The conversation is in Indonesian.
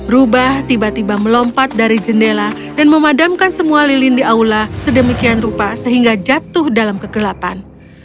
rubah tiba tiba melompat dari jendela dan memadamkan semua lilin di aula sedemikian rupa sehingga jatuh dalam kegelapan